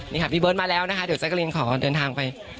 นี่ค่ะพี่เบิร์ดมาแล้วนะคะเดี๋ยวแจ๊กรีนขอเดินทางไป